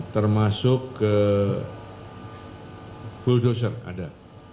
termasuk ke bulldozer ada